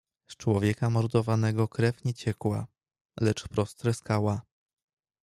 "Z człowieka mordowanego krew nie ciekła, lecz wprost tryskała."